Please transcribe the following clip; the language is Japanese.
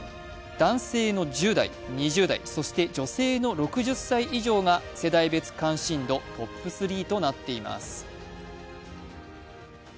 男性の１０代、２０代、そして女性の６０歳以上が世代別関心度トップ３となっています。